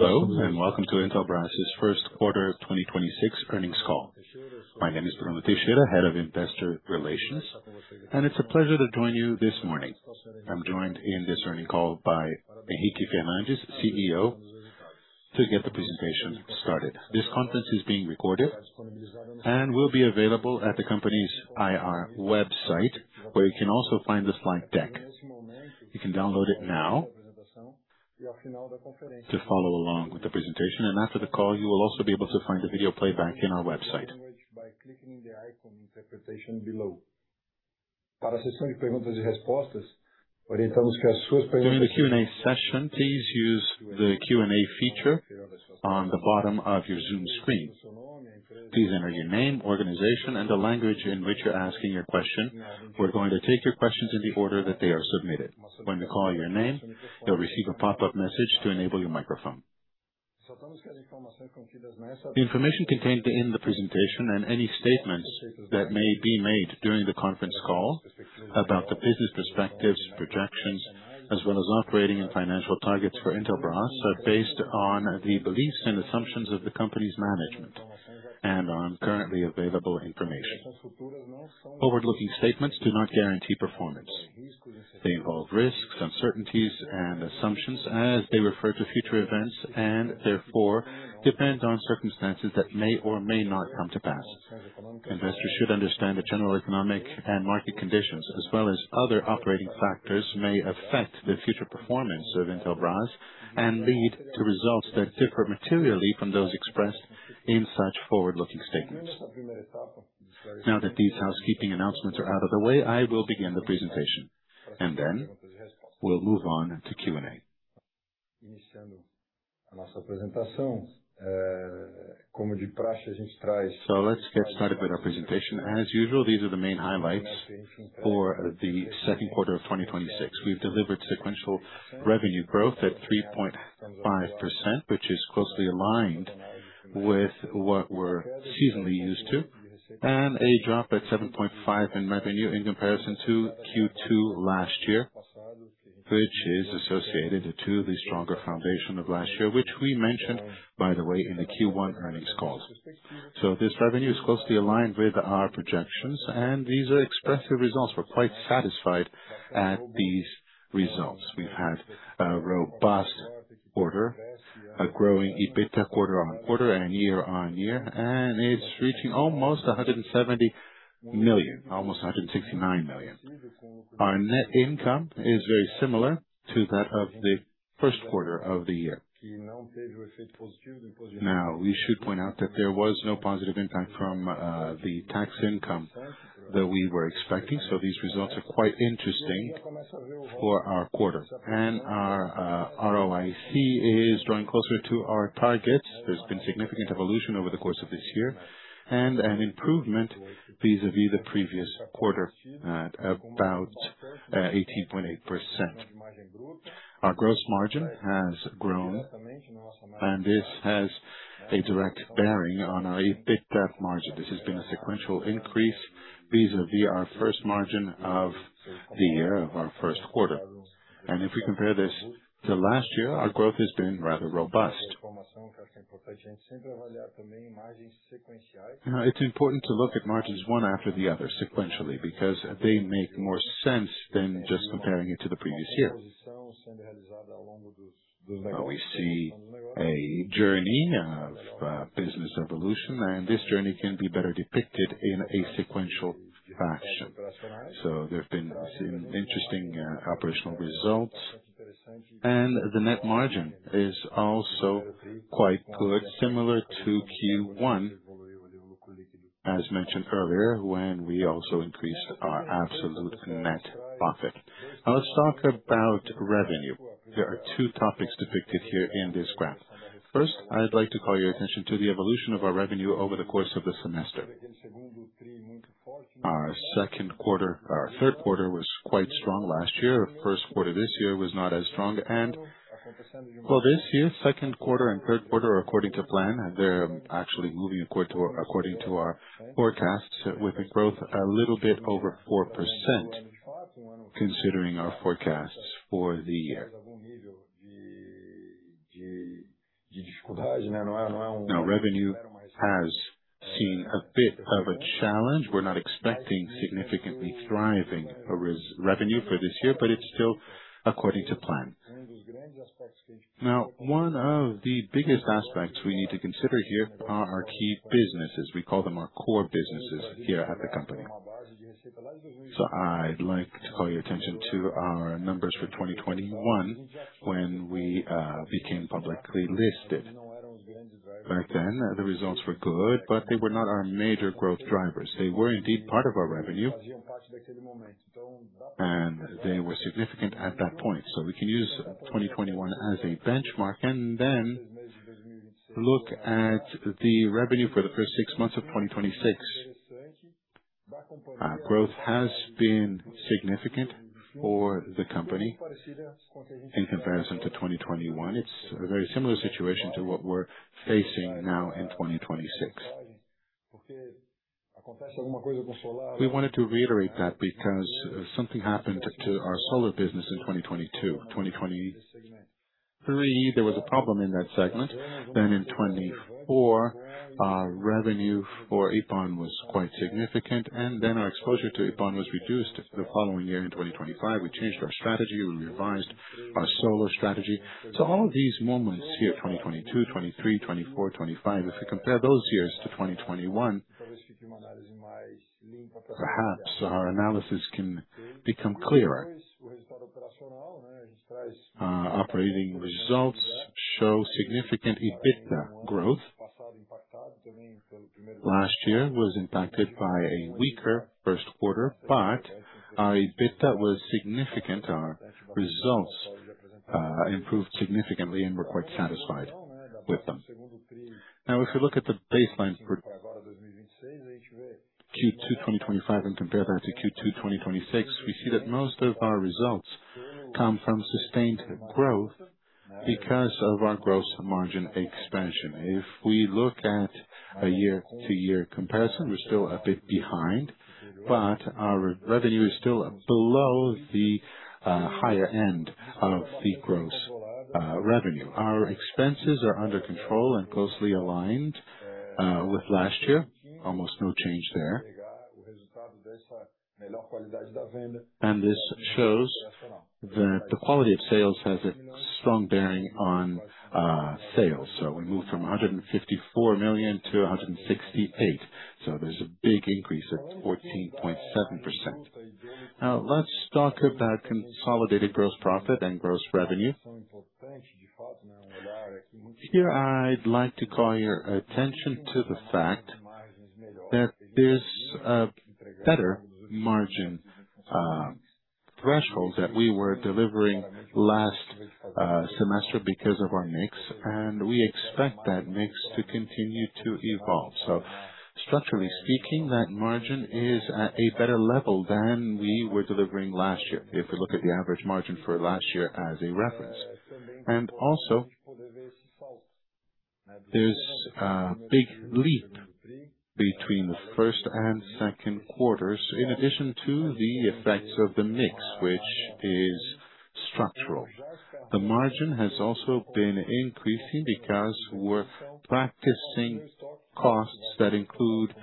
Hello, welcome to Intelbras' first quarter 2026 earnings call. My name is Bruno Teixeira, head of investor relations, and it's a pleasure to join you this morning. I am joined in this earnings call by Henrique Fernandez, CEO, to get the presentation started. This conference is being recorded and will be available at the company's IR website, where you can also find the slide deck. You can download it now to follow along with the presentation, and after the call, you will also be able to find the video playback in our website. During the Q&A session, please use the Q&A feature on the bottom of your Zoom screen. Please enter your name, organization, and the language in which you are asking your question. We are going to take your questions in the order that they are submitted. When we call your name, you will receive a pop-up message to enable your microphone. The information contained in the presentation and any statements that may be made during the conference call about the business perspectives, projections, as well as operating and financial targets for Intelbras, are based on the beliefs and assumptions of the company's management, on currently available information. Forward-looking statements do not guarantee performance. They involve risks, uncertainties, and assumptions as they refer to future events, and therefore depend on circumstances that may or may not come to pass. Investors should understand the general economic and market conditions, as well as other operating factors may affect the future performance of Intelbras and lead to results that differ materially from those expressed in such forward-looking statements. Now that these housekeeping announcements are out of the way, I will begin the presentation. Then we will move on to Q&A. Let's get started with our presentation. As usual, these are the main highlights for the second quarter of 2026. We have delivered sequential revenue growth at 3.5%, which is closely aligned with what we are seasonally used to, and a drop at 7.5% in revenue in comparison to Q2 last year, which is associated to the stronger foundation of last year, which we mentioned, by the way, in the Q1 earnings call. This revenue is closely aligned with our projections, and these are expressive results. We are quite satisfied at these results. We've had a robust quarter, a growing EBITDA quarter-over-quarter and year-over-year, it's reaching almost 170 million, almost 169 million. Our net income is very similar to that of the first quarter of the year. Now, we should point out that there was no positive impact from the tax income that we were expecting, these results are quite interesting for our quarter. Our ROIC is drawing closer to our target. There's been significant evolution over the course of this year and an improvement vis-a-vis the previous quarter at about 18.8%. Our gross margin has grown, and this has a direct bearing on our EBITDA margin. This has been a sequential increase vis-a-vis our first margin of the year of our first quarter. If we compare this to last year, our growth has been rather robust. It's important to look at margins one after the other sequentially, because they make more sense than just comparing it to the previous year. We see a journey of business evolution, and this journey can be better depicted in a sequential fashion. There've been some interesting operational results, and the net margin is also quite good, similar to Q1 as mentioned earlier, when we also increased our absolute net profit. Let's talk about revenue. There are two topics depicted here in this graph. First, I'd like to call your attention to the evolution of our revenue over the course of the semester. Our third quarter was quite strong last year. Our first quarter this year was not as strong. For this year, second quarter and third quarter are according to plan, and they're actually moving according to our forecasts, with a growth a little bit over 4% considering our forecasts for the year. Revenue has seen a bit of a challenge. We're not expecting significantly thriving revenue for this year, but it's still according to plan. One of the biggest aspects we need to consider here are our key businesses. We call them our core businesses here at the company. I'd like to call your attention to our numbers for 2021 when we became publicly listed. Back then, the results were good, but they were not our major growth drivers. They were indeed part of our revenue, and they were significant at that point. We can use 2021 as a benchmark and then look at the revenue for the first six months of 2026. Growth has been significant for the company in comparison to 2021. It's a very similar situation to what we're facing now in 2026. We wanted to reiterate that because something happened to our solar business in 2022. 2023, there was a problem in that segment. In 2024, our revenue for EPON was quite significant, and then our exposure to EPON was reduced the following year, in 2025. We changed our strategy, we revised our solar strategy. All of these moments here, 2022, 2023, 2024, 2025, if we compare those years to 2021, perhaps our analysis can become clearer. Our operating results show significant EBITDA growth. Last year was impacted by a weaker first quarter, but our EBITDA was significant. Our results improved significantly and we're quite satisfied with them. If we look at the baseline for Q2 2025 and compare that to Q2 2026, we see that most of our results come from sustained growth because of our gross margin expansion. If we look at a year-over-year comparison, we're still a bit behind, but our revenue is still below the higher end of the gross revenue. Our expenses are under control and closely aligned with last year. Almost no change there. This shows that the quality of sales has a strong bearing on sales. We moved from 154 million-168 million. There's a big increase of 14.7%. Let's talk about consolidated gross profit and gross revenue. Here, I'd like to call your attention to the fact that there's a better margin threshold that we were delivering last semester because of our mix, and we expect that mix to continue to evolve. Structurally speaking, that margin is at a better level than we were delivering last year, if we look at the average margin for last year as a reference. Also, there's a big leap between the first and second quarters, in addition to the effects of the mix, which is structural. The margin has also been increasing because we're practicing costs that include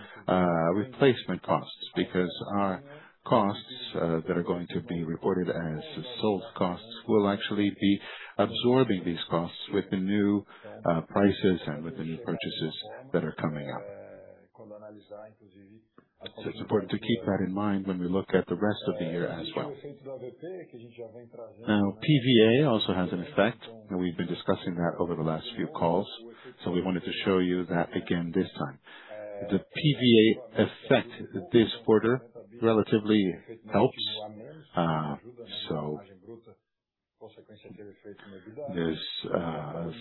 replacement costs, because our costs that are going to be reported as sold costs will actually be absorbing these costs with the new prices and with the new purchases that are coming up. It's important to keep that in mind when we look at the rest of the year as well. PVA also has an effect, and we've been discussing that over the last few calls, so we wanted to show you that again this time. The PVA effect this quarter relatively helps. There's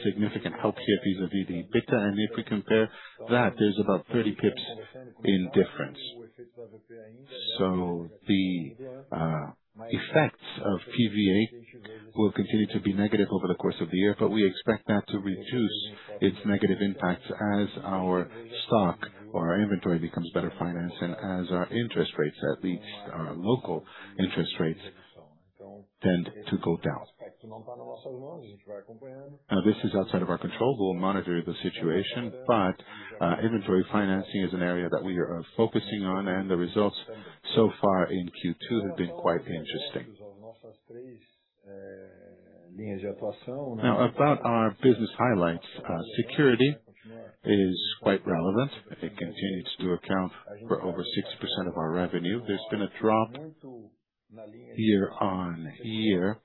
significant help here vis-à-vis the EBITDA and if we compare that, there's about 30 basis points in difference. The effects of PVA will continue to be negative over the course of the year, but we expect that to reduce its negative impacts as our stock or our inventory becomes better financed and as our interest rates, at least our local interest rates, tend to go down. This is outside of our control. We'll monitor the situation, but inventory financing is an area that we are focusing on, and the results so far in Q2 have been quite interesting. About our business highlights. Security is quite relevant. It continues to account for over 6% of our revenue. There's been a drop year-over-year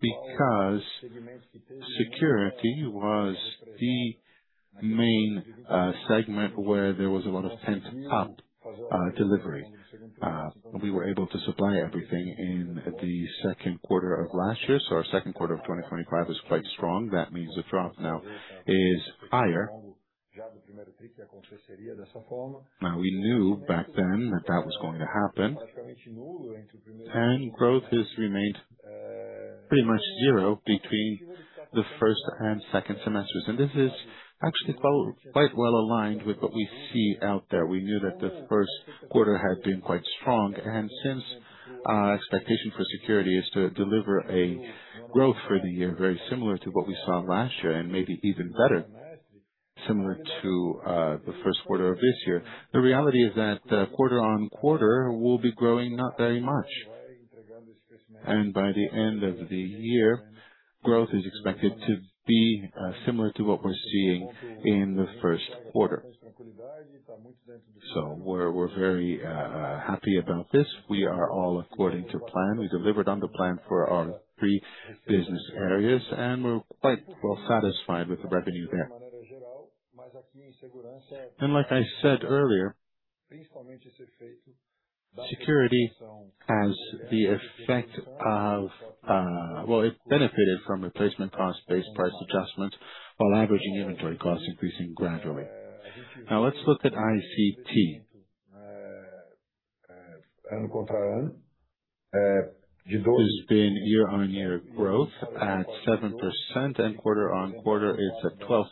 because security was the main segment where there was a lot of pent-up delivery. We were able to supply everything in the second quarter of last year. Our second quarter of 2025 is quite strong. That means the drop now is higher. We knew back then that that was going to happen. Growth has remained pretty much zero between the first and second semesters. This is actually quite well aligned with what we see out there. We knew that the first quarter had been quite strong, and since our expectation for security is to deliver a growth for the year very similar to what we saw last year and maybe even better, similar to the first quarter of this year. The reality is that quarter-over-quarter will be growing not very much. By the end of the year, growth is expected to be similar to what we're seeing in the first quarter. We're very happy about this. We are all according to plan. We delivered on the plan for our three business areas, and we're quite well satisfied with the revenue there. Like I said earlier, Security has benefited from replacement cost-based price adjustment, while averaging inventory cost increasing gradually. Let's look at ICT. There's been year-on-year growth at 7%, and quarter-on-quarter it's at 12%,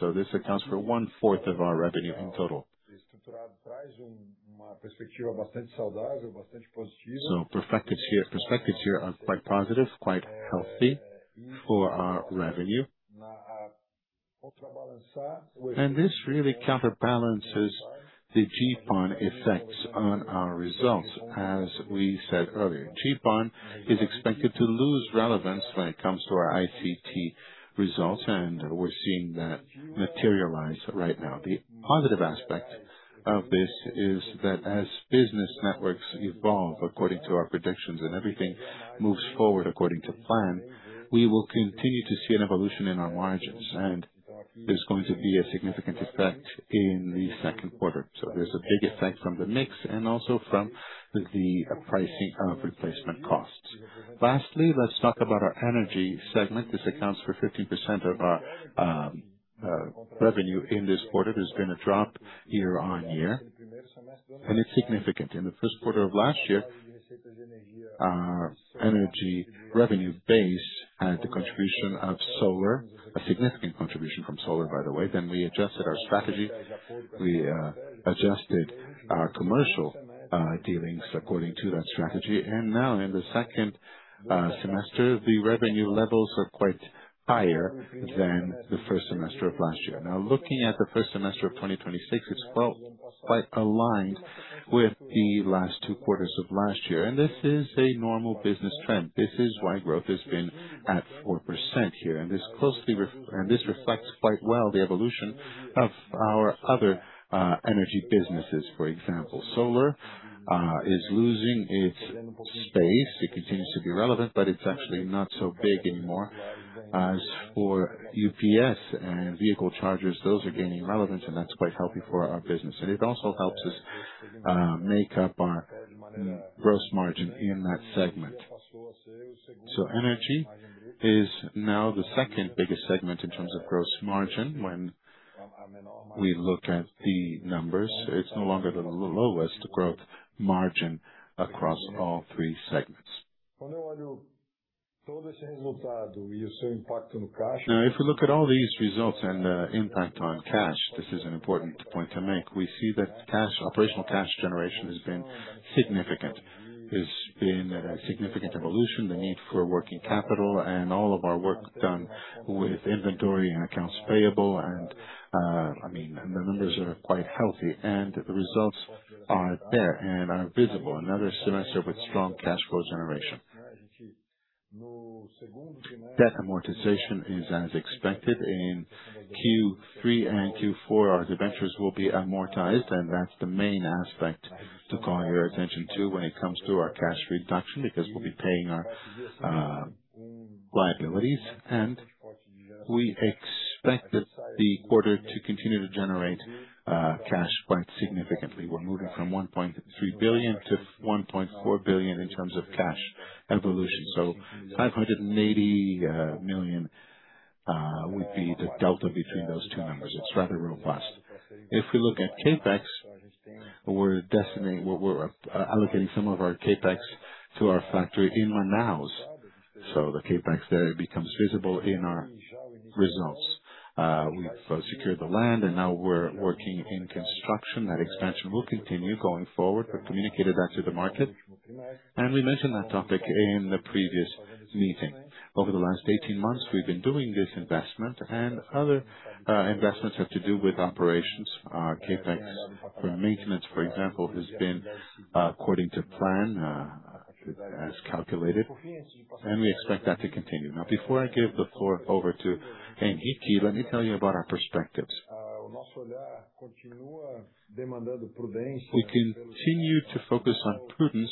so this accounts for one-fourth of our revenue in total. Perspectives here are quite positive, quite healthy for our revenue. This really counterbalances the GPON effects on our results, as we said earlier. GPON is expected to lose relevance when it comes to our ICT results, and we're seeing that materialize right now. The positive aspect of this is that as business networks evolve according to our predictions and everything moves forward according to plan, we will continue to see an evolution in our margins, and there's going to be a significant effect in the second quarter. There's a big effect from the mix and also from the pricing of replacement costs. Lastly, let's talk about our Energy segment. This accounts for 15% of our revenue in this quarter. There's been a drop year-on-year, and it's significant. In the first quarter of last year, our Energy revenue base had the contribution of Solar, a significant contribution from Solar, by the way. We adjusted our strategy. We adjusted our commercial dealings according to that strategy. Now in the second semester, the revenue levels are quite higher than the first semester of last year. Looking at the first semester of 2026, it's quite aligned with the last two quarters of last year. This is a normal business trend. This is why growth has been at 4% here. This reflects quite well the evolution of our other Energy businesses. For example, Solar is losing its space. It continues to be relevant, but it's actually not so big anymore. As for UPS and vehicle chargers, those are gaining relevance, and that's quite healthy for our business. It also helps us make up our gross margin in that segment. Energy is now the second biggest segment in terms of gross margin when we look at the numbers. It's no longer the lowest growth margin across all three segments. If we look at all these results and the impact on cash, this is an important point to make. We see that operational cash generation has been significant. There's been a significant evolution, the need for working capital and all of our work done with inventory and accounts payable, and the numbers are quite healthy and the results are there and are visible. Another semester with strong cash flow generation. Debt amortization is as expected. In Q3 and Q4, our debentures will be amortized, and that's the main aspect to call your attention to when it comes to our cash reduction, because we'll be paying our liabilities. We expect the quarter to continue to generate cash quite significantly. We're moving from 1.3 billion-1.4 billion in terms of cash evolution. 580 million would be the delta between those two numbers. It's rather robust. If we look at CapEx, we're allocating some of our CapEx to our factory in Manaus. The CapEx there becomes visible in our results. We've secured the land, and now we're working in construction. That expansion will continue going forward. We've communicated that to the market. We mentioned that topic in the previous meeting. Over the last 18 months, we've been doing this investment, and other investments have to do with operations. Our CapEx for maintenance, for example, has been according to plan, as calculated, and we expect that to continue. Before I give the floor over to Henrique, let me tell you about our perspectives. We continue to focus on prudence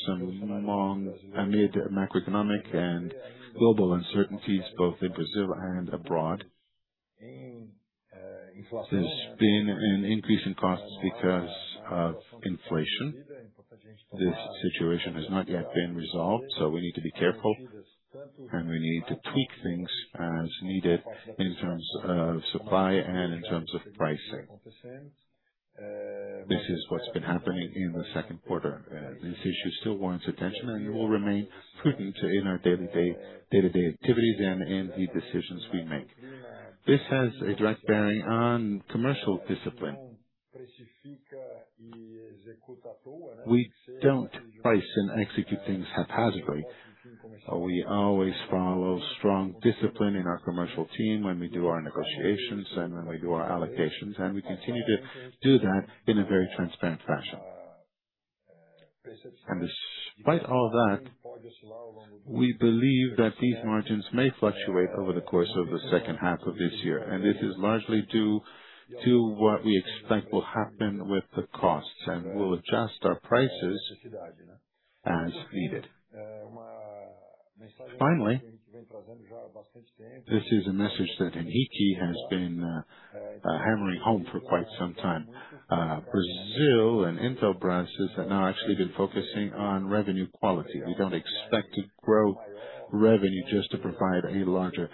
amid macroeconomic and global uncertainties, both in Brazil and abroad. There's been an increase in costs because of inflation. This situation has not yet been resolved, so we need to be careful, and we need to tweak things as needed in terms of supply and in terms of pricing. This is what's been happening in the second quarter. This issue still warrants attention, and we will remain prudent in our day-to-day activities and in the decisions we make. This has a direct bearing on commercial discipline. We don't price and execute things haphazardly. We always follow strong discipline in our commercial team when we do our negotiations and when we do our allocations, and we continue to do that in a very transparent fashion. Despite all that, we believe that these margins may fluctuate over the course of the second half of this year, and this is largely due to what we expect will happen with the costs, and we'll adjust our prices as needed. This is a message that Henrique has been hammering home for quite some time. Brazil and Intelbras have now actually been focusing on revenue quality. We don't expect to grow revenue just to provide a larger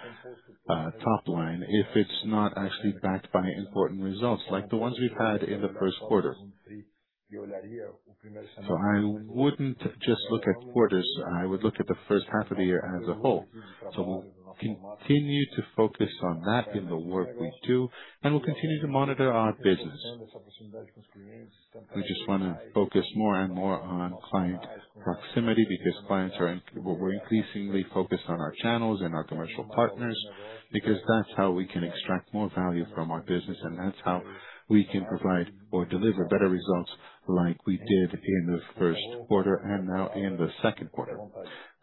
top line if it's not actually backed by important results like the ones we've had in the first quarter. I wouldn't just look at quarters, I would look at the first half of the year as a whole. We'll continue to focus on that in the work we do, and we'll continue to monitor our business. We just want to focus more and more on client proximity because clients We're increasingly focused on our channels and our commercial partners because that's how we can extract more value from our business, and that's how we can provide or deliver better results like we did in the first quarter and now in the second quarter.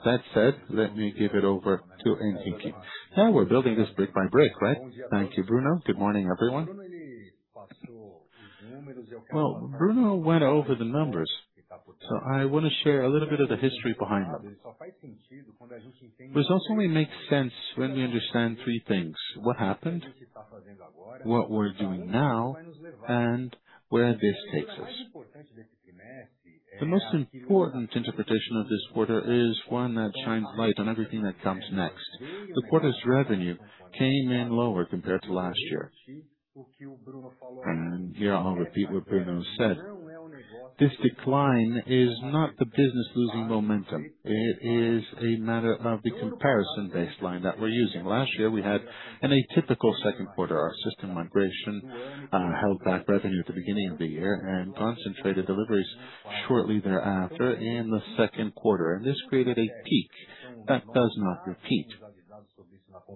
That said, let me give it over to Henrique. We're building this brick by brick, right? Thank you, Bruno. Good morning, everyone. Bruno went over the numbers, so I want to share a little bit of the history behind them. Results only make sense when we understand three things: what happened, what we're doing now, and where this takes us. The most important interpretation of this quarter is one that shines light on everything that comes next. The quarter's revenue came in lower compared to last year. Here I'll repeat what Bruno said. This decline is not the business losing momentum. It is a matter of the comparison baseline that we're using. Last year, we had an a typical second quarter. Our system migration held back revenue at the beginning of the year and concentrated deliveries shortly thereafter in the second quarter, and this created a peak that does not repeat.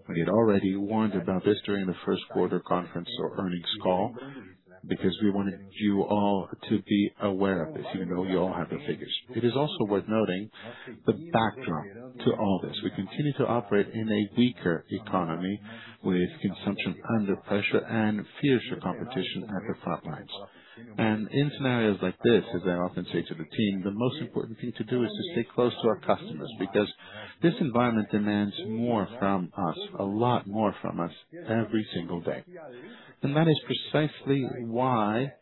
We had already warned about this during the first quarter conference or earnings call because we wanted you all to be aware of this, even though you all have the figures. It is also worth noting the backdrop to all this. We continue to operate in a weaker economy with consumption under pressure and fiercer competition at the top lines. In scenarios like this, as I often say to the team, the most important thing to do is to stay close to our customers, because this environment demands more from us, a lot more from us every single day. That is precisely why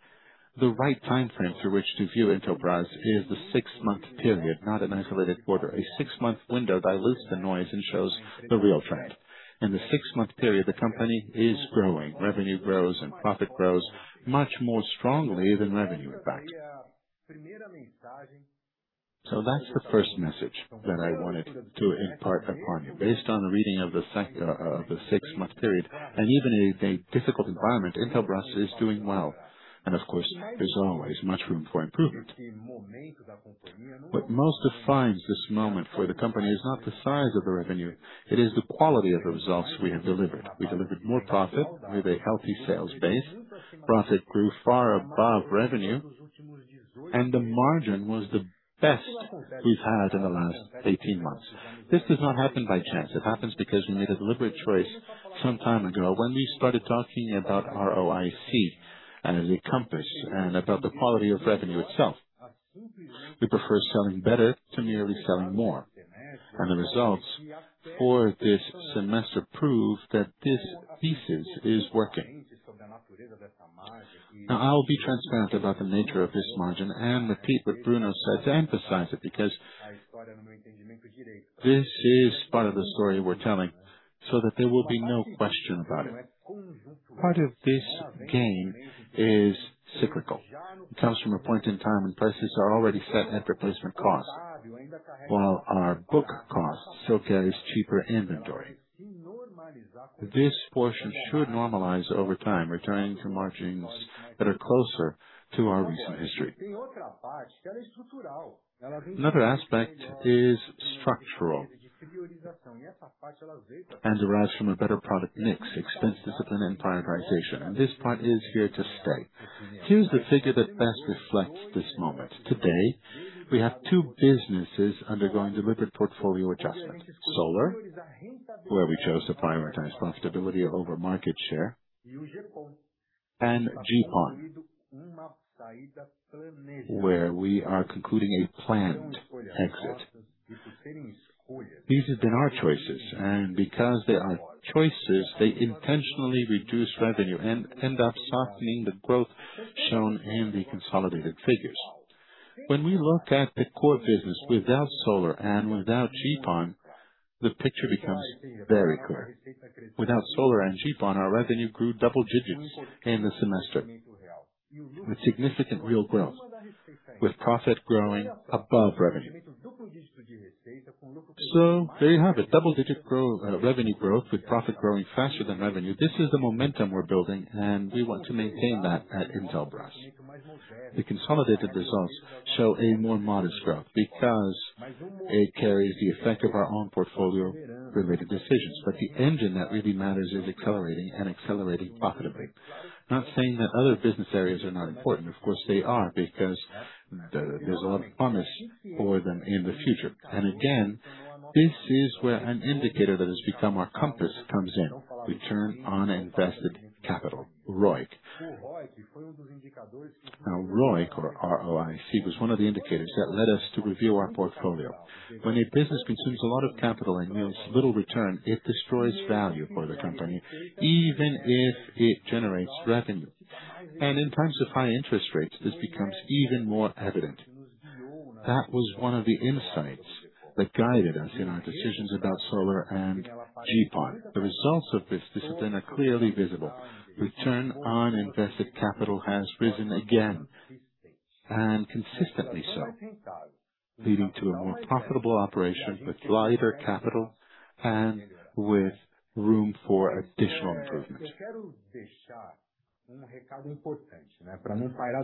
the right time frame through which to view Intelbras is the six-month period, not an isolated quarter. A six-month window dilutes the noise and shows the real trend. In the six month period, the company is growing, revenue grows, and profit grows much more strongly than revenue, in fact. That's the first message that I wanted to impart upon you. Based on the reading of the six month period and even in a difficult environment, Intelbras is doing well. Of course, there's always much room for improvement. What most defines this moment for the company is not the size of the revenue, it is the quality of the results we have delivered. We delivered more profit with a healthy sales base. Profit grew far above revenue, and the margin was the best we've had in the last 18 months. This does not happen by chance. It happens because we made a deliberate choice some time ago when we started talking about ROIC as a compass and about the quality of revenue itself. We prefer selling better to merely selling more, and the results for this semester prove that this thesis is working. Now, I'll be transparent about the nature of this margin and repeat what Bruno said to emphasize it because this is part of the story we're telling, so that there will be no question about it. Part of this gain is cyclical. It comes from a point in time when prices are already set at replacement cost, while our book cost still carries cheaper inventory. This portion should normalize over time, returning to margins that are closer to our recent history. Another aspect is structural and derives from a better product mix, expense discipline, and prioritization. This part is here to stay. Here's the figure that best reflects this moment. Today, we have two businesses undergoing deliberate portfolio adjustment. Solar, where we chose to prioritize profitability over market share, and GPON, where we are concluding a planned exit. These have been our choices, and because they are choices, they intentionally reduce revenue and end up softening the growth shown in the consolidated figures. When we look at the core business without Solar and without GPON, the picture becomes very clear. Without Solar and GPON, our revenue grew double digits in the semester with significant real growth, with profit growing above revenue. There you have it. Double-digit revenue growth with profit growing faster than revenue. This is the momentum we're building, and we want to maintain that at Intelbras. The consolidated results show a more modest growth because it carries the effect of our own portfolio-related decisions. The engine that really matters is accelerating and accelerating profitably. Not saying that other business areas are not important. Of course, they are, because there's a lot of promise for them in the future. Again, this is where an indicator that has become our compass comes in. Return on invested capital, ROIC. ROIC or R-O-I-C, was one of the indicators that led us to review our portfolio. When a business consumes a lot of capital and yields little return, it destroys value for the company even if it generates revenue. In times of high interest rates, this becomes even more evident. That was one of the insights that guided us in our decisions about solar and GPON. The results of this discipline are clearly visible. Return on invested capital has risen again, and consistently so, leading to a more profitable operation with lighter capital and with room for additional improvement.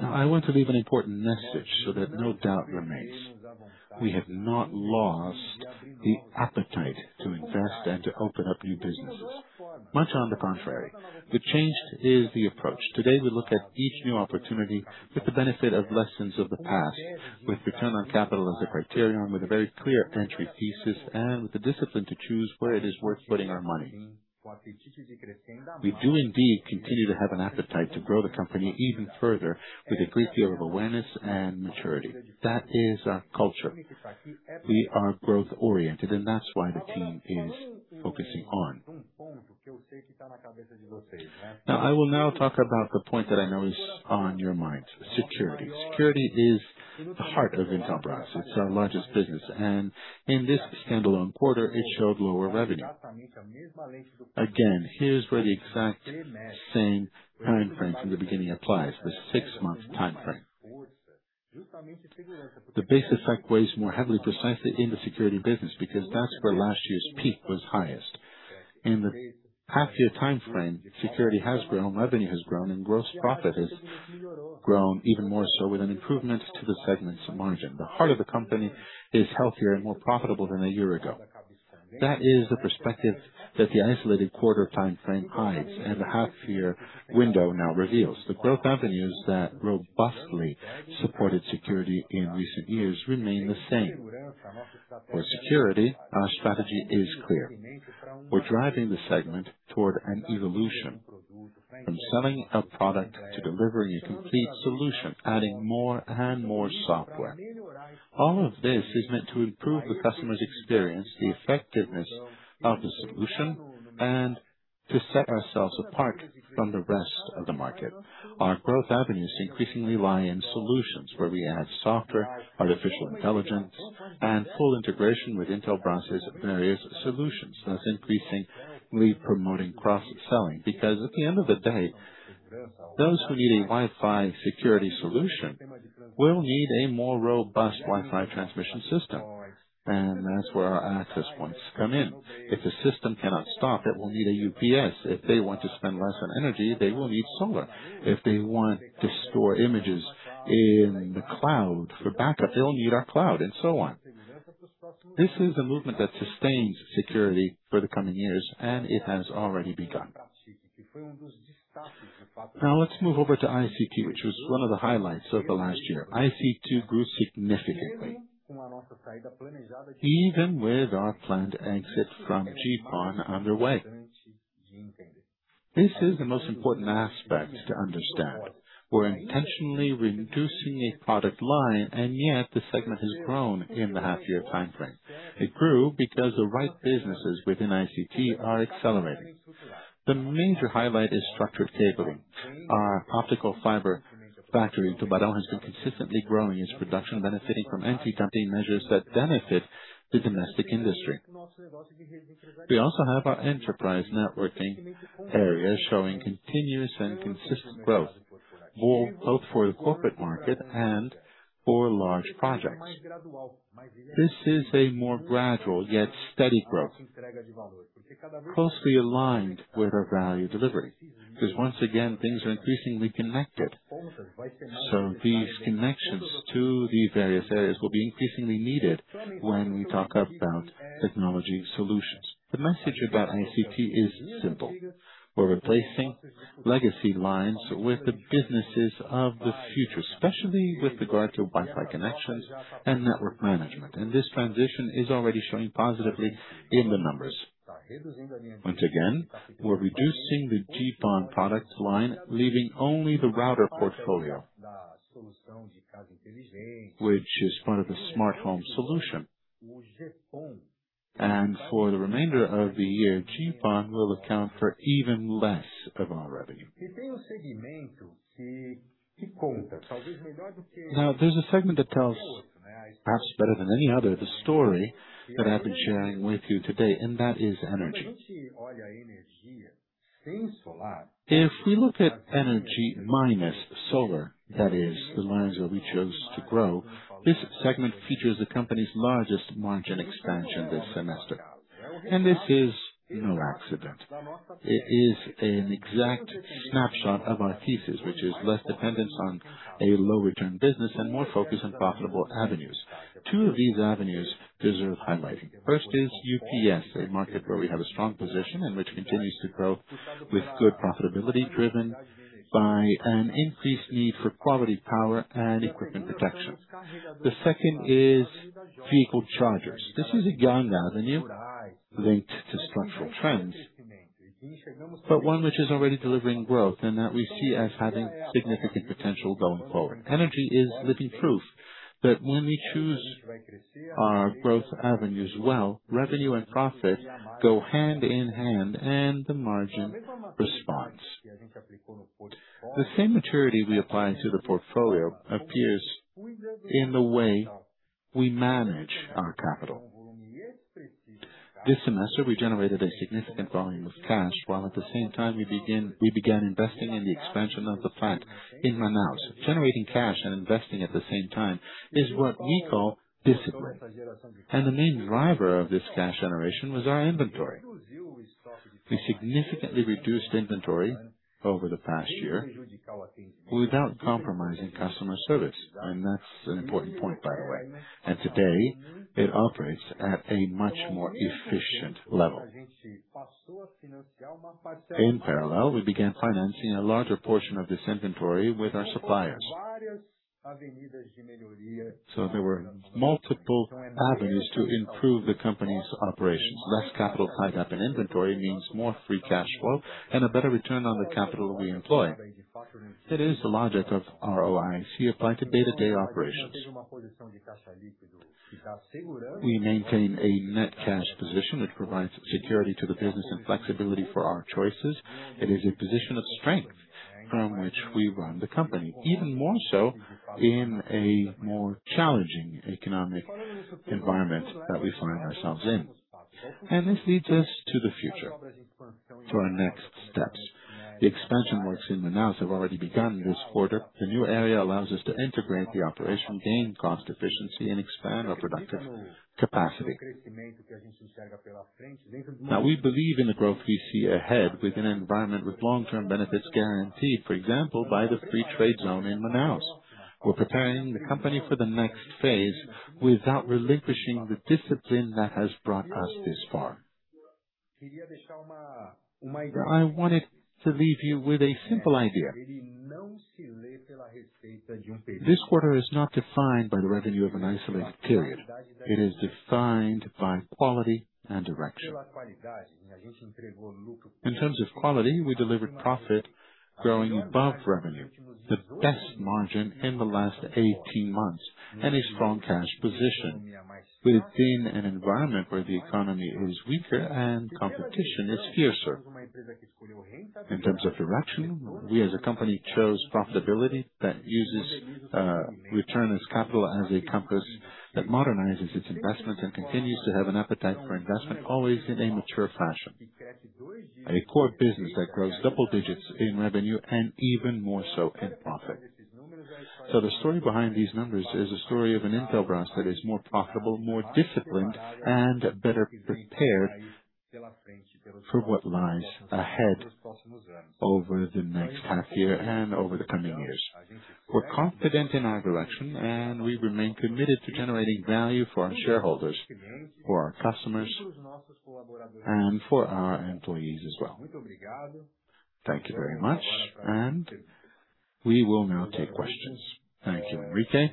I want to leave an important message so that no doubt remains. We have not lost the appetite to invest and to open up new businesses. Much on the contrary. What changed is the approach. Today, we look at each new opportunity with the benefit of lessons of the past, with return on capital as a criterion, with a very clear entry thesis, and with the discipline to choose where it is worth putting our money. We do indeed continue to have an appetite to grow the company even further with a great deal of awareness and maturity. That is our culture. We are growth-oriented, and that's why the team is focusing on. I will now talk about the point that I know is on your minds, security. Security is the heart of Intelbras. It's our largest business, and in this standalone quarter, it showed lower revenue. Here's where the exact same time frame from the beginning applies, the six-month time frame. The base effect weighs more heavily, precisely in the security business, because that's where last year's peak was highest. In the past year time frame, security has grown, revenue has grown, and gross profit has grown even more so with an improvement to the segment's margin. The heart of the company is healthier and more profitable than a year ago. That is a perspective that the isolated quarter time frame hides and the half-year window now reveals. The growth avenues that robustly supported security in recent years remain the same. For security, our strategy is clear. We're driving the segment toward an evolution from selling a product to delivering a complete solution, adding more and more software. All of this is meant to improve the customer's experience, the effectiveness of the solution, and to set ourselves apart from the rest of the market. Our growth avenues increasingly lie in solutions where we add software, artificial intelligence, and full integration with Intelbras' various solutions, thus increasingly promoting cross-selling. At the end of the day, those who need a Wi-Fi security solution will need a more robust Wi-Fi transmission system, and that's where our access points come in. If the system cannot stop, it will need a UPS. If they want to spend less on energy, they will need solar. If they want to store images in the cloud for backup, they'll need our cloud, and so on. This is a movement that sustains security for the coming years, and it has already begun. Let's move over to ICT, which was one of the highlights of the last year. ICT grew significantly even with our planned exit from GPON underway. This is the most important aspect to understand. We're intentionally reducing a product line, yet the segment has grown in the half-year time frame. It grew because the right businesses within ICT are accelerating. The major highlight is structured cabling. Our optical fiber factory in Tubarão has been consistently growing its production, benefiting from anti-dumping measures that benefit the domestic industry. We also have our enterprise networking area showing continuous and consistent growth, both for the corporate market and for large projects. This is a more gradual yet steady growth, closely aligned with our value delivery, because once again, things are increasingly connected. These connections to the various areas will be increasingly needed when we talk about technology solutions. The message about ICT is simple. We're replacing legacy lines with the businesses of the future, especially with regard to Wi-Fi connections and network management. This transition is already showing positively in the numbers. Once again, we're reducing the GPON product line, leaving only the router portfolio, which is part of the smartphone solution. For the remainder of the year, GPON will account for even less of our revenue. There's a segment that tells perhaps better than any other, the story that I've been sharing with you today, and that is energy. If we look at energy minus solar, that is the lines that we chose to grow, this segment features the company's largest margin expansion this semester, and this is no accident. It is an exact snapshot of our thesis, which is less dependence on a low return business and more focus on profitable avenues. Two of these avenues deserve highlighting. First is UPS, a market where we have a strong position and which continues to grow with good profitability driven by an increased need for quality power and equipment protection. The second is vehicle chargers. This is a young avenue linked to structural trends, but one which is already delivering growth and that we see as having significant potential going forward. Energy is living proof that when we choose our growth avenues well, revenue and profit go hand in hand and the margin responds. The same maturity we apply to the portfolio appears in the way we manage our capital. This semester, we generated a significant volume of cash, while at the same time we began investing in the expansion of the plant in Manaus. Generating cash and investing at the same time is what we call discipline. The main driver of this cash generation was our inventory. We significantly reduced inventory over the past year without compromising customer service, and that's an important point, by the way. Today it operates at a much more efficient level. In parallel, we began financing a larger portion of this inventory with our suppliers. There were multiple avenues to improve the company's operations. Less capital tied up in inventory means more free cash flow and a better return on the capital we employ. It is the logic of ROIC applied to day-to-day operations. We maintain a net cash position which provides security to the business and flexibility for our choices. It is a position of strength from which we run the company. Even more so in a more challenging economic environment that we find ourselves in. This leads us to the future for our next steps. The expansion works in Manaus have already begun this quarter. The new area allows us to integrate the operation, gain cost efficiency and expand our productive capacity. We believe in the growth we see ahead with an environment with long-term benefits guaranteed, for example, by the free trade zone in Manaus. We're preparing the company for the next phase without relinquishing the discipline that has brought us this far. I wanted to leave you with a simple idea. This quarter is not defined by the revenue of an isolated period. It is defined by quality and direction. In terms of quality, we delivered profit growing above revenue, the best margin in the last 18 months, and a strong cash position within an environment where the economy is weaker and competition is fiercer. In terms of direction, we as a company chose profitability that uses return on invested capital as a compass that modernizes its investments and continues to have an appetite for investment, always in a mature fashion. A core business that grows double digits in revenue and even more so in profit. The story behind these numbers is a story of an Intelbras that is more profitable, more disciplined, and better prepared for what lies ahead over the next half year and over the coming years. We're confident in our direction, and we remain committed to generating value for our shareholders, for our customers, and for our employees as well. Thank you very much. We will now take questions. Thank you, Henrique. Let's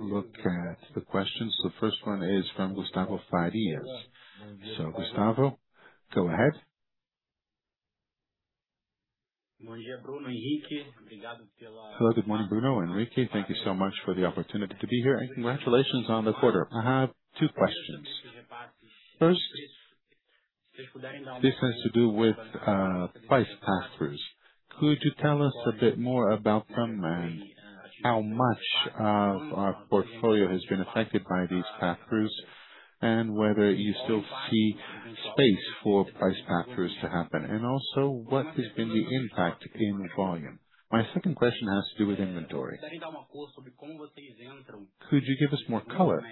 look at the questions. The first one is from Gustavo Farias. Gustavo, go ahead. Hello. Good morning, Bruno, Henrique. Thank you so much for the opportunity to be here, and congratulations on the quarter. I have two questions. First, this has to do with price pass-throughs. Could you tell us a bit more about them and how much of our portfolio has been affected by these pass-throughs, and whether you still see space for price pass-throughs to happen? Also what has been the impact in volume. My second question has to do with inventory. Could you give us more color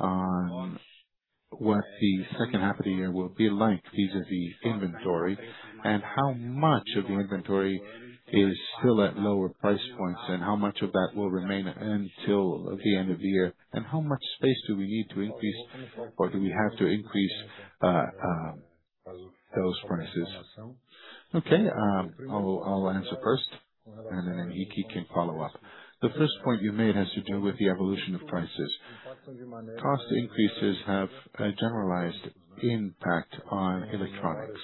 on what the second half of the year will be like vis-à-vis inventory, and how much of the inventory is still at lower price points, and how much of that will remain until the end of the year? How much space do we need to increase or do we have to increase those prices? Okay. I'll answer first, and then Henrique can follow up. The first point you made has to do with the evolution of prices. Cost increases have a generalized impact on electronics.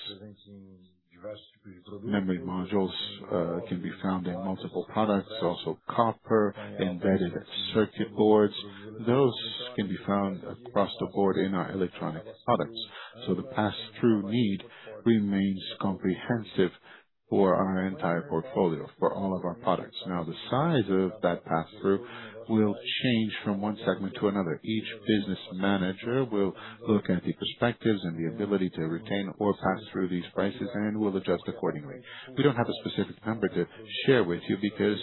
Memory modules can be found in multiple products, also copper, embedded circuit boards. Those can be found across the board in our electronic products. The pass-through need remains comprehensive for our entire portfolio, for all of our products. The size of that pass-through will change from one segment to another. Each business manager will look at the perspectives and the ability to retain or pass through these prices, and will adjust accordingly. We don't have a specific number to share with you because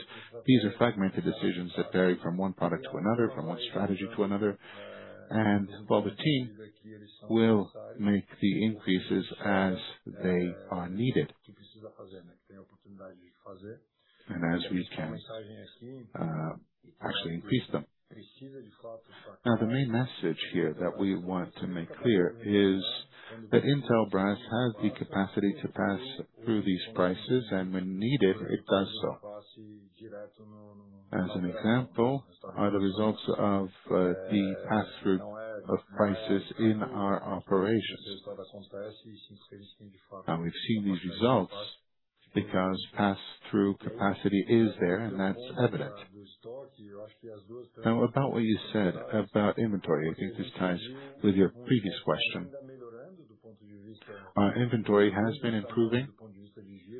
these are fragmented decisions that vary from one product to another, from one strategy to another, and while the team will make the increases as they are needed and as we can actually increase them. The main message here that we want to make clear is that Intelbras has the capacity to pass through these prices and when needed, it does so. As an example, are the results of the pass-through of prices in our operations. We've seen these results because pass-through capacity is there, and that's evident. About what you said about inventory, I think this ties with your previous question. Our inventory has been improving.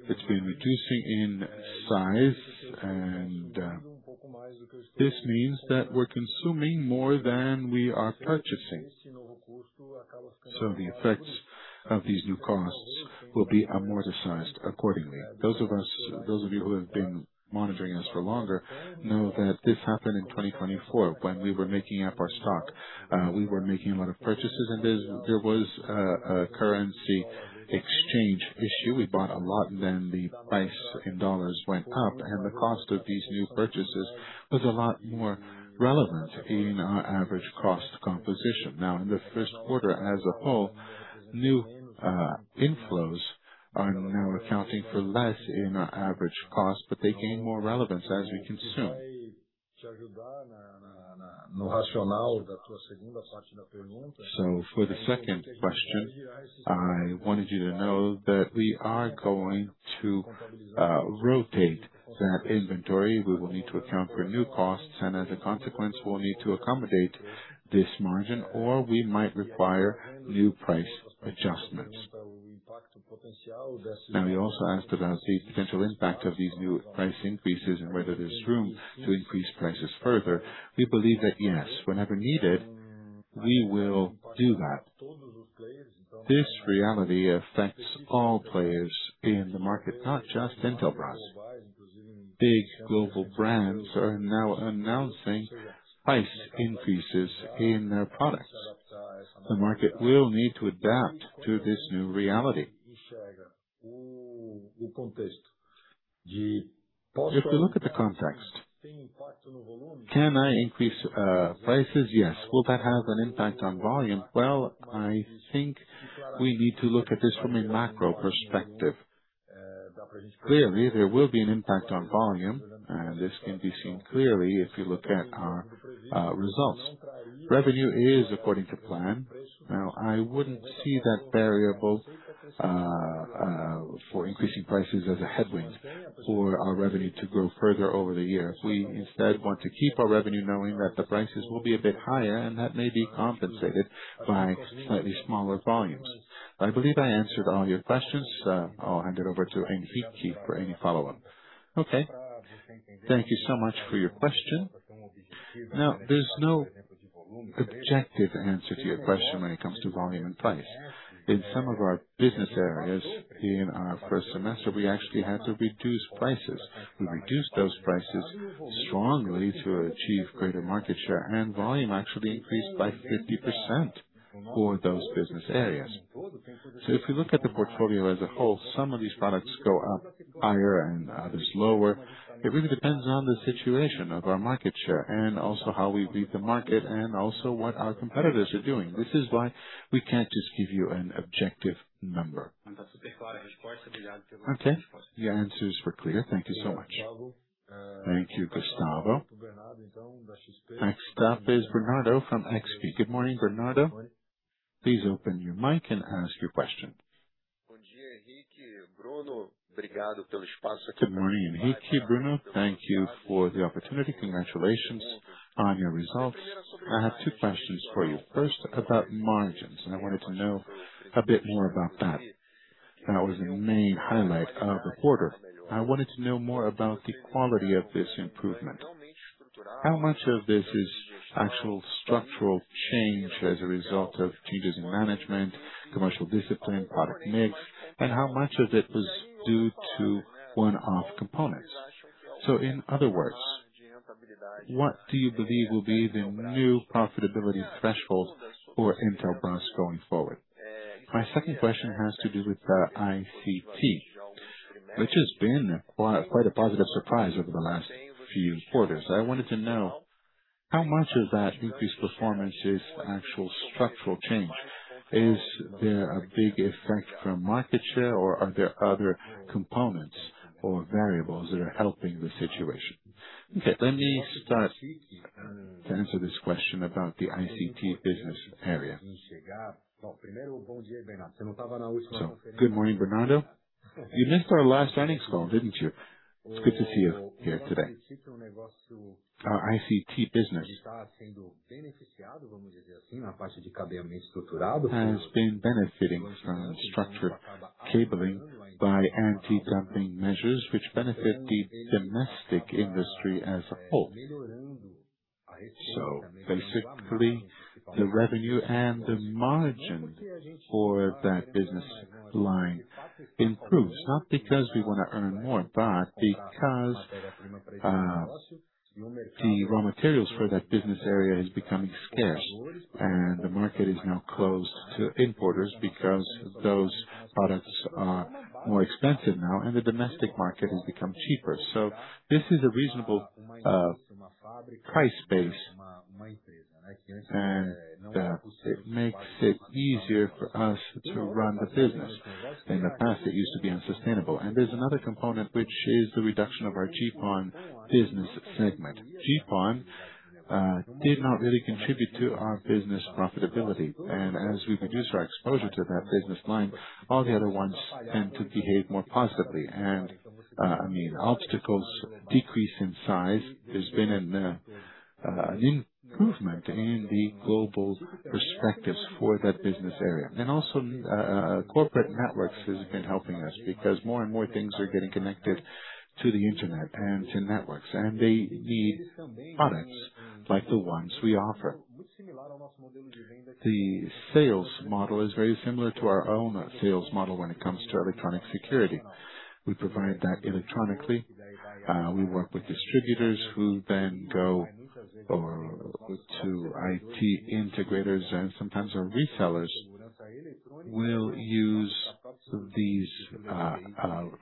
It's been reducing in size, and this means that we're consuming more than we are purchasing. The effects of these new costs will be amortized accordingly. Those of you who have been monitoring us for longer know that this happened in 2024 when we were making up our stock. We were making a lot of purchases, and there was a currency exchange issue. We bought a lot, the price in dollars went up, and the cost of these new purchases was a lot more relevant in our average cost composition. In the first quarter as a whole, new inflows are now accounting for less in our average cost, they gain more relevance as we consume. For the second question, I wanted you to know that we are going to rotate that inventory. We will need to account for new costs, as a consequence, we'll need to accommodate this margin, or we might require new price adjustments. You also asked about the potential impact of these new price increases and whether there's room to increase prices further. We believe that yes, whenever needed, we will do that. This reality affects all players in the market, not just Intelbras. Big global brands are now announcing price increases in their products. The market will need to adapt to this new reality. If you look at the context, can I increase prices? Yes. Will that have an impact on volume? I think we need to look at this from a macro perspective. Clearly, there will be an impact on volume, this can be seen clearly if you look at our results. Revenue is according to plan. I wouldn't see that variable for increasing prices as a headwind for our revenue to grow further over the years. We instead want to keep our revenue knowing that the prices will be a bit higher, that may be compensated by slightly smaller volumes. I believe I answered all your questions. I'll hand it over to Henrique for any follow-up. Okay. Thank you so much for your question. There's no objective answer to your question when it comes to volume and price. In some of our business areas, in our first semester, we actually had to reduce prices. We reduced those prices strongly to achieve greater market share, volume actually increased by 50% for those business areas. If you look at the portfolio as a whole, some of these products go up higher and others lower. It really depends on the situation of our market share, also how we read the market, also what our competitors are doing. This is why we can't just give you an objective number. Okay. The answers were clear. Thank you so much. Thank you, Gustavo. Next up is Bernardo from XP. Good morning, Bernardo. Please open your mic and ask your question. Good morning, Henrique, Bruno. Thank you for the opportunity. Congratulations on your results. I have two questions for you. First, about margins. I wanted to know a bit more about that. That was the main highlight of the quarter. I wanted to know more about the quality of this improvement. How much of this is actual structural change as a result of changes in management, commercial discipline, product mix, and how much of it was due to one-off components? In other words, what do you believe will be the new profitability threshold for Intelbras going forward? My second question has to do with the ICT, which has been quite a positive surprise over the last few quarters. I wanted to know how much of that increased performance is actual structural change. Is there a big effect from market share, or are there other components or variables that are helping the situation? Let me start to answer this question about the ICT business area. Good morning, Bernardo. You missed our last earnings call, didn't you? It's good to see you here today. Our ICT business has been benefiting from structured cabling by anti-dumping measures, which benefit the domestic industry as a whole. Basically, the revenue and the margin for that business line improves, not because we want to earn more, but because the raw materials for that business area is becoming scarce. The market is now closed to importers because those products are more expensive now, and the domestic market has become cheaper. This is a reasonable price base, and it makes it easier for us to run the business. In the past, it used to be unsustainable. There's another component, which is the reduction of our GPON business segment. GPON did not really contribute to our business profitability. As we reduce our exposure to that business line, all the other ones tend to behave more positively. Obstacles decrease in size. There's been an improvement in the global perspectives for that business area. Corporate networks has been helping us, because more and more things are getting connected to the internet and to networks, and they need products like the ones we offer. The sales model is very similar to our own sales model when it comes to electronic security. We provide that electronically. We work with distributors who then go to IT integrators, and sometimes our resellers will use these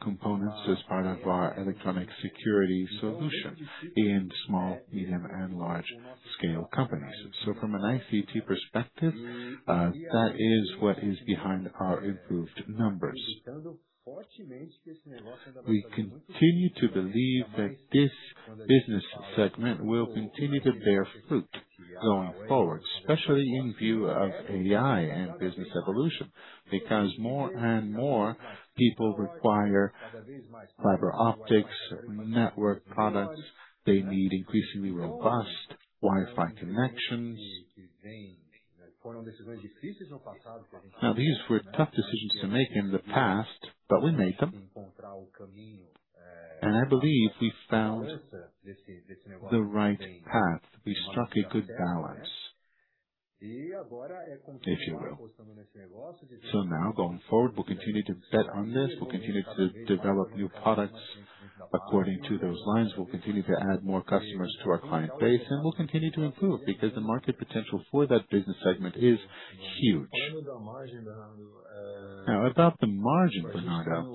components as part of our electronic security solution in small, medium, and large-scale companies. From an ICT perspective, that is what is behind our improved numbers. We continue to believe that this business segment will continue to bear fruit going forward, especially in view of AI and business evolution, because more and more people require fiber optics, network products. They need increasingly robust Wi-Fi connections. These were tough decisions to make in the past, but we made them. I believe we found the right path. We struck a good balance, if you will. Now, going forward, we'll continue to bet on this. We'll continue to develop new products according to those lines. We'll continue to add more customers to our client base, and we'll continue to improve, because the market potential for that business segment is huge. About the margin, Bernardo.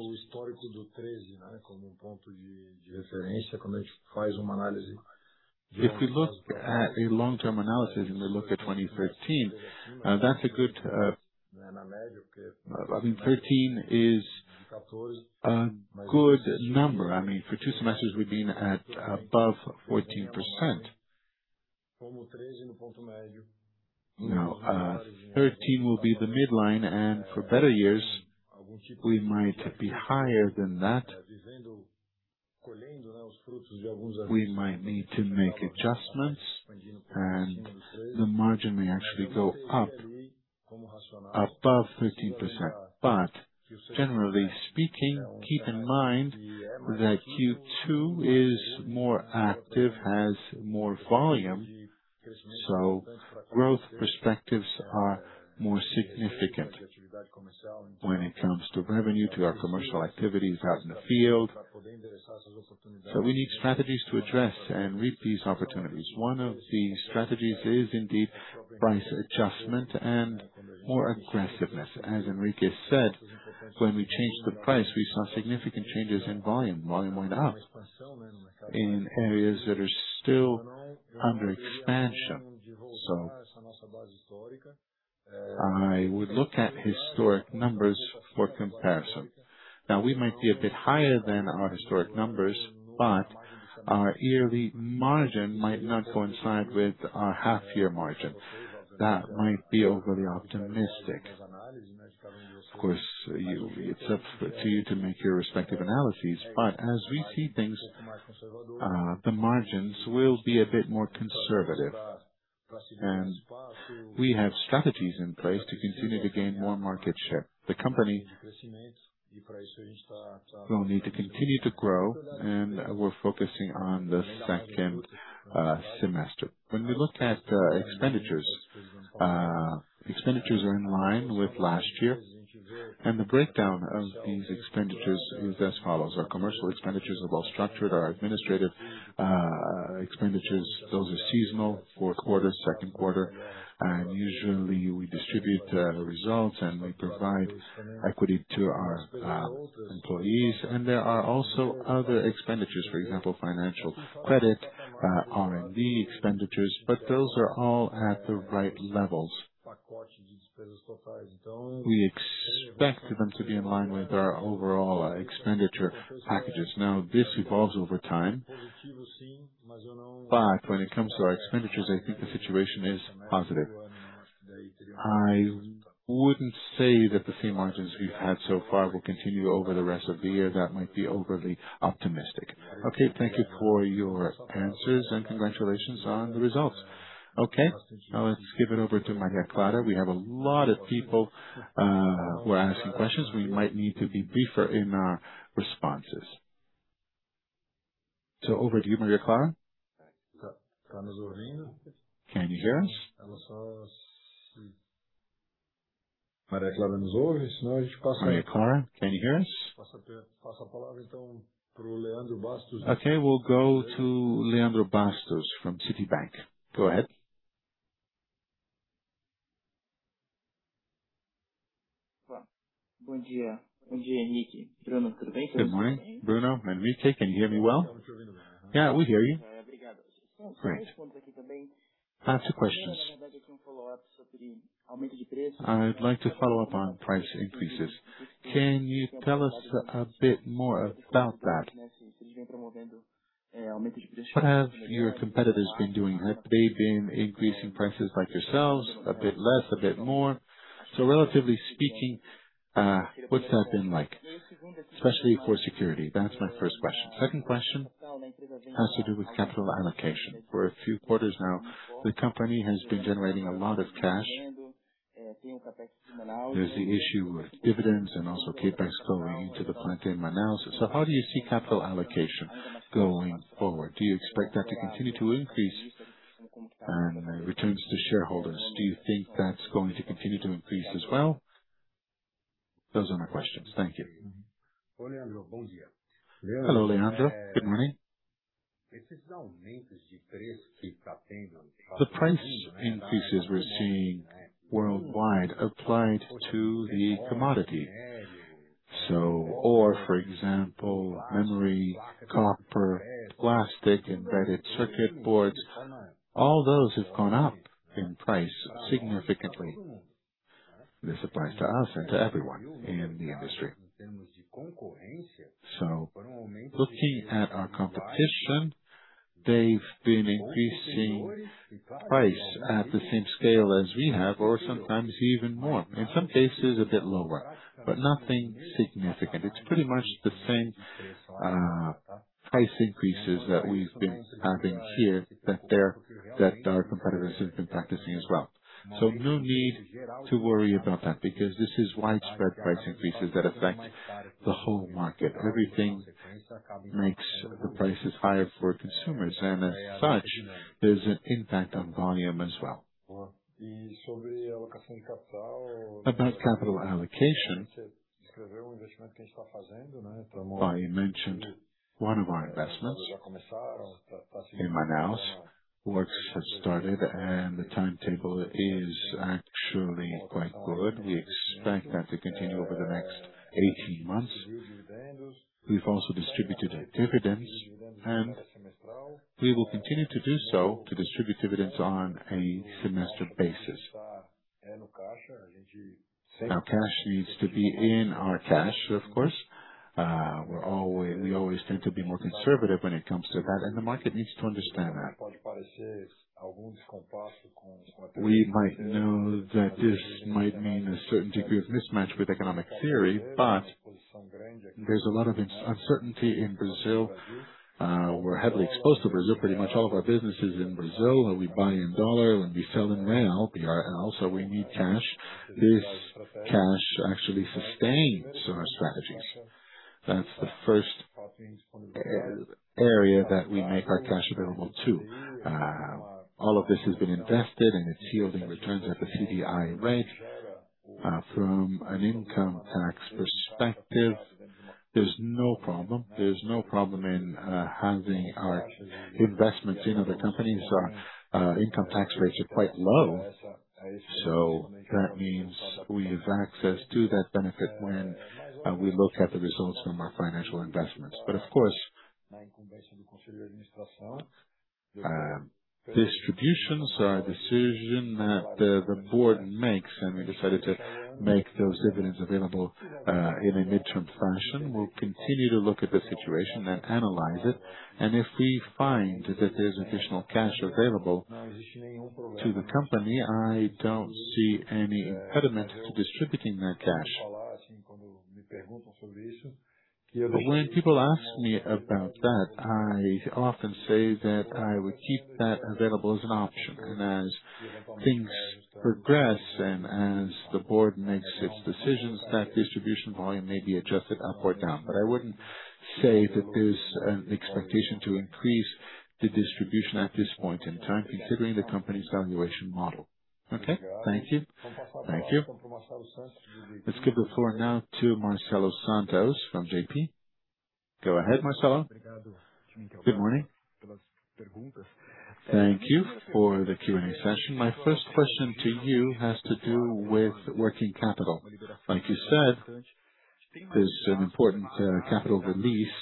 If we look at a long-term analysis and we look at 2013, that's a good 2013 is a good number. For two semesters, we've been at above 14%. Now, 13 will be the midline, and for better years, we might be higher than that. We might need to make adjustments, and the margin may actually go up above 13%. Generally speaking, keep in mind that Q2 is more active, has more volume, so growth perspectives are more significant when it comes to revenue, to our commercial activities out in the field. We need strategies to address and reap these opportunities. One of the strategies is indeed price adjustment and more aggressiveness. As Henrique said, when we changed the price, we saw significant changes in volume. Volume went up in areas that are still under expansion. I would look at historic numbers for comparison. Now, we might be a bit higher than our historic numbers, but our yearly margin might not coincide with our half-year margin. That might be overly optimistic. Of course, it's up to you to make your respective analyses. As we see things, the margins will be a bit more conservative. We have strategies in place to continue to gain more market share. The company will need to continue to grow, and we're focusing on the second semester. When we look at expenditures are in line with last year, and the breakdown of these expenditures is as follows. Our commercial expenditures are well structured. Our administrative expenditures, those are seasonal, fourth quarter, second quarter, and usually, we distribute the results and we provide equity to our employees. There are also other expenditures. For example, financial credit, R&D expenditures, but those are all at the right levels. We expect them to be in line with our overall expenditure packages. Now, this evolves over time. When it comes to our expenditures, I think the situation is positive. I wouldn't say that the same margins we've had so far will continue over the rest of the year. That might be overly optimistic. Thank you for your answers, and congratulations on the results. Now, let's give it over to Maria Clara. We have a lot of people who are asking questions. We might need to be briefer in our responses. Over to you, Maria Clara. Can you hear us? Maria Clara, can you hear us? We'll go to Leandro Bastos from Citibank. Go ahead. Good morning, Bruno and Henrique. Can you hear me well? Yeah, we hear you. Great. I have two questions I'd like to follow up on price increases. Can you tell us a bit more about that? What have your competitors been doing? Have they been increasing prices like yourselves, a bit less, a bit more? Relatively speaking, what's that been like? Especially for security. That's my first question. Second question has to do with capital allocation. For a few quarters now, the company has been generating a lot of cash. There's the issue with dividends and also CapEx going into the plant in Manaus. How do you see capital allocation going forward? Do you expect that to continue to increase? Returns to shareholders, do you think that's going to continue to increase as well? Those are my questions. Thank you. Hello, Leandro. Good morning. The price increases we're seeing worldwide applied to the commodity. Ore, for example, memory, copper, plastic, embedded circuit boards, all those have gone up in price significantly. This applies to us and to everyone in the industry. Looking at our competition, they've been increasing price at the same scale as we have, or sometimes even more. In some cases, a bit lower, but nothing significant. It's pretty much the same price increases that we've been having here that our competitors have been practicing as well. No need to worry about that because this is widespread price increases that affect the whole market. Everything makes the prices higher for consumers and as such, there's an impact on volume as well. About capital allocation. I mentioned one of our investments in Manaus. Works have started, and the timetable is actually quite good. We expect that to continue over the next 18 months. We've also distributed a dividend, we will continue to do so to distribute dividends on a semester basis. Now, cash needs to be in our cash, of course. We always tend to be more conservative when it comes to that, the market needs to understand that. We might know that this might mean a certain degree of mismatch with economic theory, there's a lot of uncertainty in Brazil. We're heavily exposed to Brazil. Pretty much all of our business is in Brazil, we buy in dollar and we sell in real, BRL, we need cash. This cash actually sustains our strategies. That's the first area that we make our cash available to. All of this has been invested, it's yielding returns at the CDI rate. From an income tax perspective, there's no problem. There's no problem in having our investments in other companies. Our income tax rates are quite low, that means we have access to that benefit when we look at the results from our financial investments. Of course, distributions are a decision that the board makes, we decided to make those dividends available, in a midterm fashion. We'll continue to look at the situation and analyze it, if we find that there's additional cash available to the company, I don't see any impediment to distributing that cash. When people ask me about that, I often say that I would keep that available as an option, as things progress and as the board makes its decisions, that distribution volume may be adjusted up or down. I wouldn't say that there's an expectation to increase the distribution at this point in time, considering the company's valuation model. Okay. Thank you. Thank you. Let's give the floor now to Marcelo Santos from JPMorgan. Go ahead, Marcelo. Good morning. Thank you for the Q&A session. My first question to you has to do with working capital. Like you said, there's an important capital release.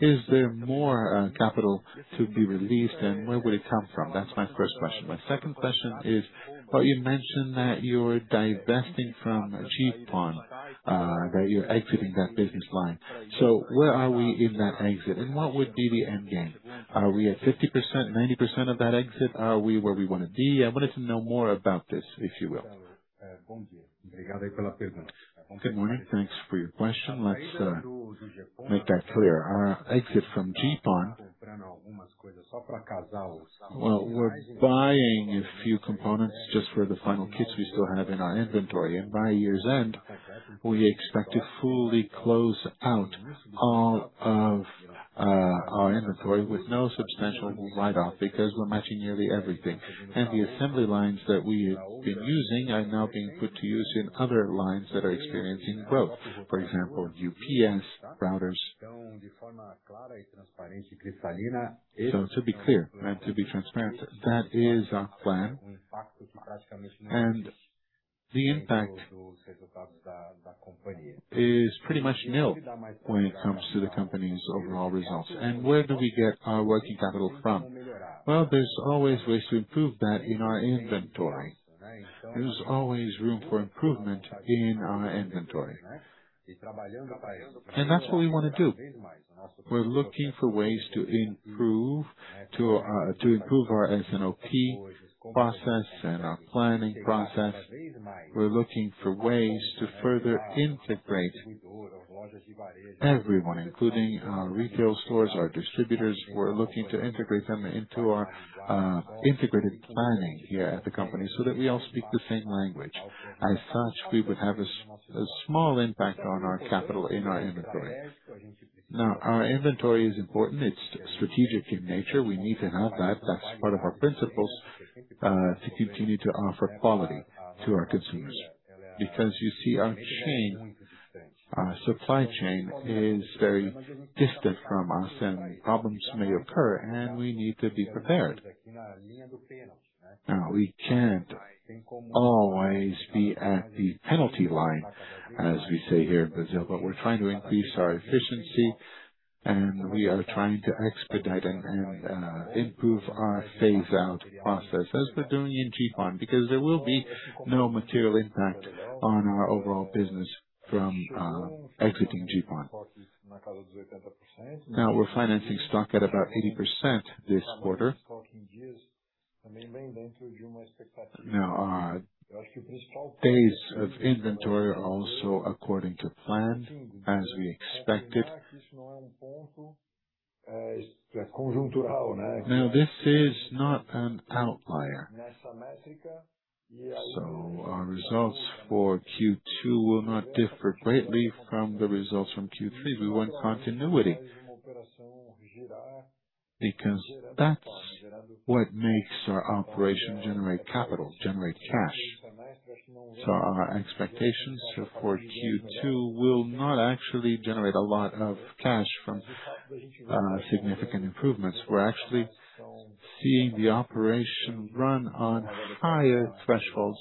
Is there more capital to be released, where would it come from? That's my first question. My second question is, you mentioned that you're divesting from GPON, that you're exiting that business line. Where are we in that exit, what would be the end game? Are we at 50%, 90% of that exit? Are we where we want to be? I wanted to know more about this, if you will. Good morning. Thanks for your question. Let's make that clear. Our exit from GPON. Well, we're buying a few components just for the final kits we still have in our inventory. By year's end, we expect to fully close out all of our inventory with no substantial write-off because we're matching nearly everything. The assembly lines that we've been using are now being put to use in other lines that are experiencing growth, for example, UPS routers. So to be clear and to be transparent, that is our plan. The impact is pretty much nil when it comes to the company's overall results. Where do we get our working capital from? Well, there's always ways to improve that in our inventory. There's always room for improvement in our inventory. That's what we want to do. We're looking for ways to improve our S&OP process and our planning process. We're looking for ways to further integrate everyone, including our retail stores, our distributors. We're looking to integrate them into our integrated planning here at the company so that we all speak the same language. We would have a small impact on our capital in our inventory. Our inventory is important. It's strategic in nature. We need to have that. That's part of our principles, to continue to offer quality to our consumers. Our supply chain is very distant from us, and problems may occur, and we need to be prepared. We can't always be at the penalty line, as we say here in Brazil. We're trying to increase our efficiency, and we are trying to expedite and improve our phase-out process as we're doing in GPON, because there will be no material impact on our overall business from exiting GPON. We're financing stock at about 80% this quarter. Our days of inventory are also according to plan, as we expected. This is not an outlier. Our results for Q2 will not differ greatly from the results from Q3. We want continuity because that's what makes our operation generate capital, generate cash. Our expectations for Q2 will not actually generate a lot of cash from significant improvements. We're actually seeing the operation run on higher thresholds,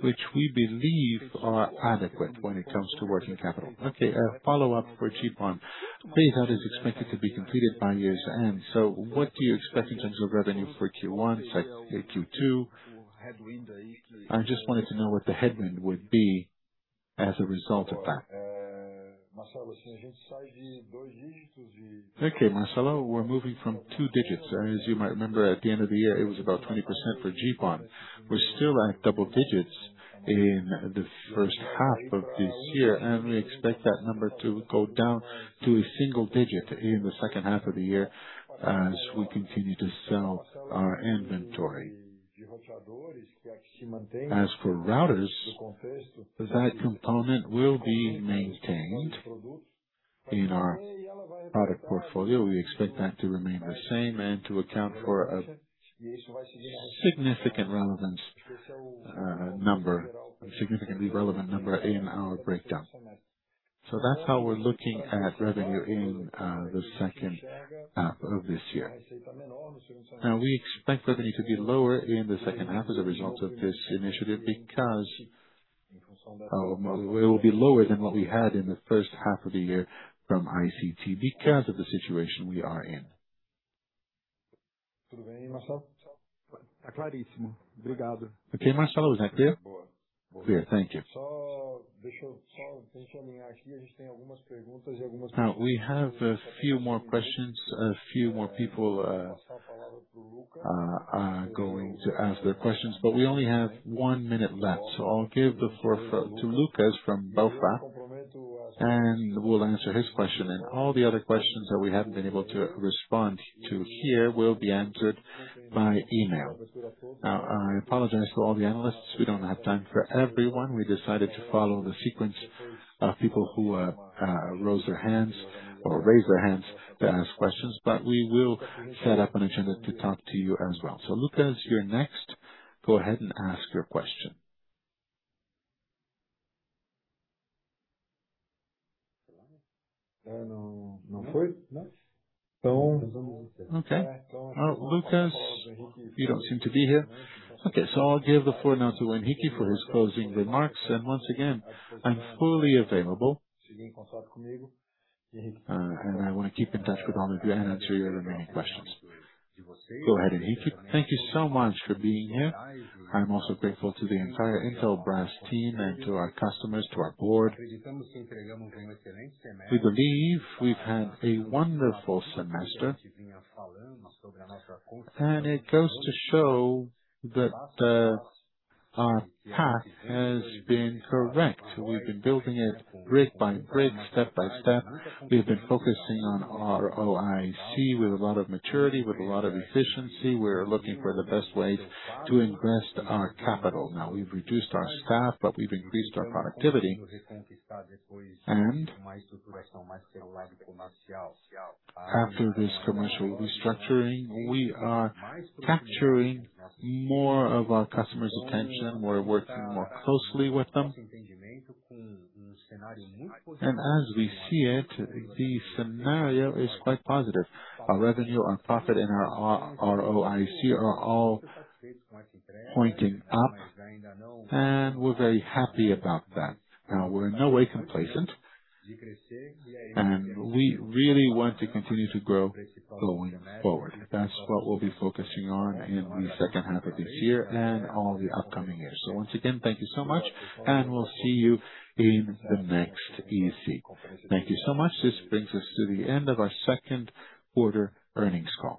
which we believe are adequate when it comes to working capital. A follow-up for GPON. Phase out is expected to be completed by year's end. What do you expect in terms of revenue for Q1, say, Q2? I just wanted to know what the headwind would be as a result of that. Thank you Marcelo, we're moving from two digits. As you might remember, at the end of the year, it was about 20% for GPON. We're still at double digits in the first half of this year, and we expect that number to go down to a single digit in the second half of the year as we continue to sell our inventory. As for routers, that component will be maintained in our product portfolio. We expect that to remain the same and to account for a significantly relevant number in our breakdown. That's how we're looking at revenue in the second half of this year. We expect revenue to be lower in the second half as a result of this initiative, it will be lower than what we had in the first half of the year from ICT because of the situation we are in. Marcelo, is that clear? Clear. Thank you. We have a few more questions. A few more people are going to ask their questions, but we only have one minute left. I'll give the floor to Lucas from Belfor, and we'll answer his question. All the other questions that we haven't been able to respond to here will be answered by email. I apologize to all the analysts. We don't have time for everyone. We decided to follow the sequence of people who rose their hands or raised their hands to ask questions. We will set up an agenda to talk to you as well. Lucas, you're next. Go ahead and ask your question. Lucas, you don't seem to be here. I'll give the floor now to Henrique, for his closing remarks. Once again, I'm fully available. I want to keep in touch with all of you and answer your remaining questions. Go ahead, Henrique. Thank you so much for being here. I'm also grateful to the entire Intelbras team and to our customers, to our board. We believe we've had a wonderful semester, and it goes to show that our path has been correct. We've been building it brick by brick, step by step. We've been focusing on our ROIC with a lot of maturity, with a lot of efficiency. We're looking for the best way to invest our capital. We've reduced our staff, but we've increased our productivity. After this commercial restructuring, we are capturing more of our customers' attention. We're working more closely with them. As we see it, the scenario is quite positive. Our revenue, our profit, and our ROIC are all pointing up, and we're very happy about that. We're in no way complacent, and we really want to continue to grow going forward. That's what we'll be focusing on in the second half of this year and all the upcoming years. Once again, thank you so much, and we'll see you in the next EC. Thank you so much. This brings us to the end of our second quarter earnings call